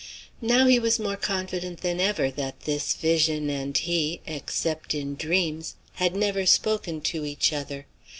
Now he was more confident than ever that this vision and he, except in dreams, had never spoken to each other.